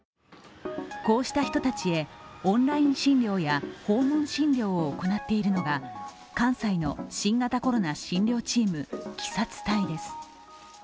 こうした人たちへオンライン診療や訪問診療を行っているのが関西の新型コロナ診療チーム・ＫＩＳＡ２隊です。